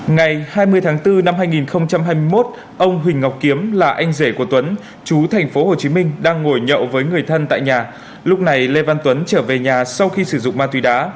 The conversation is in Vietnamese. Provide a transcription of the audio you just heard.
ngày hai mươi tháng bốn năm hai nghìn hai mươi một ông huỳnh ngọc kiếm là anh rể của tuấn chú thành phố hồ chí minh đang ngồi nhậu với người thân tại nhà lúc này lê văn tuấn trở về nhà sau khi sử dụng ma tùy đá